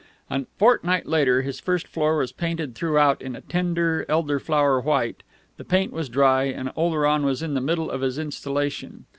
A fortnight later his first floor was painted throughout in a tender, elder flower white, the paint was dry, and Oleron was in the middle of his installation.